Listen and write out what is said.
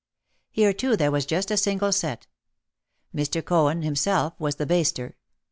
Here too there was just a single set. Mr. Cohen himself was the baster.